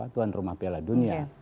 tuan rumah piala dunia